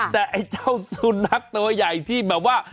แต่ไอ้เจ้าสุนัขตัวใหญ่ที่แบบว่า